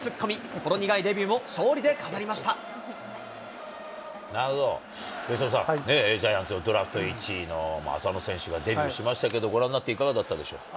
ほろ苦いデビューも、勝利で飾りなるほど、由伸さん、ジャイアンツのドラフト１位の浅野選手がデビューしましたけど、ご覧になっていかがだったでしょうか。